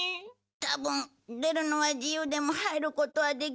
多分出るのは自由でも入ることはできないんだ。